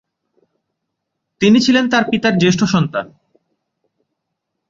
তিনি ছিলেন তার পিতার জ্যেষ্ঠ সন্তান।